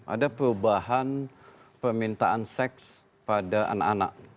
ada perubahan permintaan seks pada anak anak